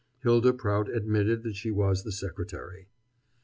Hylda Prout admitted that she was the secretary.